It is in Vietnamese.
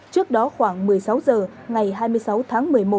trước đó khoảng một mươi sáu h ngày hai mươi sáu tháng một mươi một